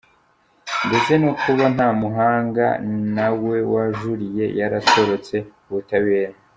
Ndetse no kuba Ntamuhanga nawe wajuriye yaratorotse ubutabera.